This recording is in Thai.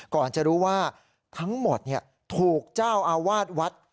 ก่อนจะรู้ว่าทั้งหมดถูกเจ้าอาวาสวัด